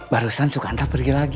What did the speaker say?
barusan sukanta pergi lagi